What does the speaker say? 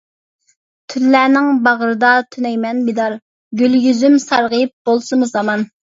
تۈنلەرنىڭ باغرىدا تۈنەيمەن بىدار، گۈل يۈزۈم سارغىيىپ بولسىمۇ سامان.